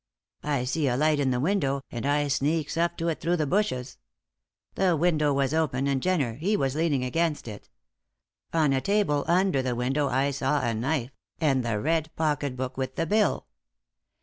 I see a light in the window, and I sneaks up to it through the bushes. The window was open and Jenner he was leaning against it. On a table, under the window, I saw a knife, and the red pocket book with the bill.